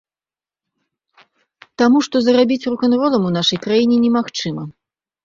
Таму што зарабіць рок-н-ролам у нашай краіне немагчыма.